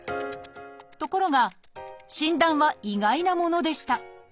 ところが診断は意外なものでした。